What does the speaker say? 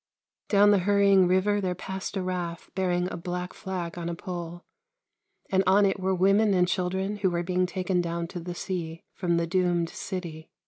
Down the hurry ing river there passed a raft, bearing a black flag on a pole, and on it were women and children who were being taken down to the sea from the doomed city.